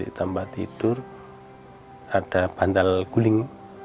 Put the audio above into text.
di tempat tidur ada bantal guling